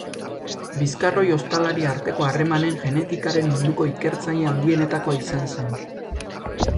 Bizkarroi-ostalari arteko harremanen genetikaren munduko ikertzaile handienetakoa izan zen.